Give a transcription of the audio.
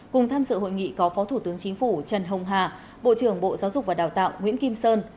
cùng tham dự hội nghị có phó thủ tướng chính phủ trần hồng hà bộ trưởng bộ giáo dục và đào tạo nguyễn kim sơn